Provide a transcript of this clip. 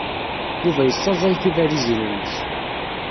Yuba yessaẓay tibalizin-nnes.